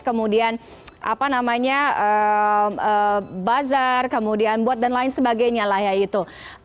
kemudian apa namanya bazar kemudian bot dan lain sebagainya lah ya itu